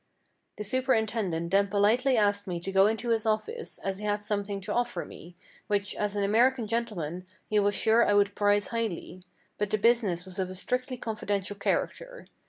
The superintendent then politely asked me to go into his office, as he had something to offer me, which, as an American gentleman, he was sure I would prize highly; but the business was of a strictly confidential character.